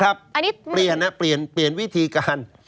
อันนี้เปลี่ยนนะเปลี่ยนเปลี่ยนวิธีการ